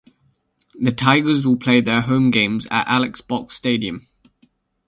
The Tigers will play their home games at Alex Box Stadium.